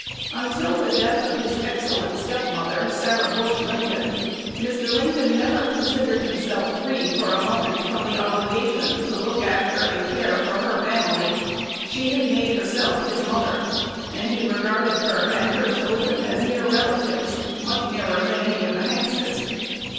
Until the death of his excellent step mother, Sarah Bush Lincoln, Mr. Lincoln never considered himself free for a moment from the obligation to look after and care for her family. She had made herself his mother; and he regarded her and her children as near relatives, much nearer than any of the Hankses.